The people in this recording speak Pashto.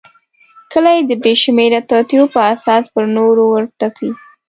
کله یې د بېشمیره توطیو په اساس پر نورو ورتپي.